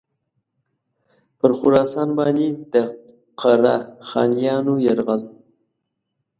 پر خراسان باندي د قره خانیانو یرغل.